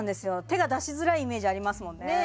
手が出しづらいイメージありますもんね